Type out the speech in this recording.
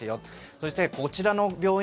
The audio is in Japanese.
そして、こちらの病院